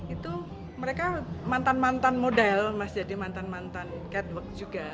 itu mereka mantan mantan model mas jadi mantan mantan catwalk juga